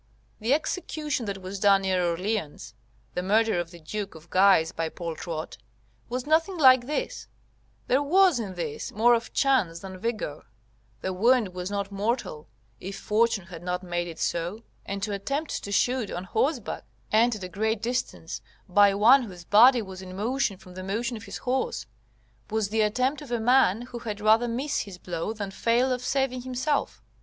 The execution that was done near Orleans [The murder of the Duke of Guise by Poltrot.] was nothing like this; there was in this more of chance than vigour; the wound was not mortal, if fortune had not made it so, and to attempt to shoot on horseback, and at a great distance, by one whose body was in motion from the motion of his horse, was the attempt of a man who had rather miss his blow than fail of saving himself.